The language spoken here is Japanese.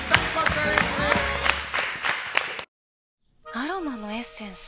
アロマのエッセンス？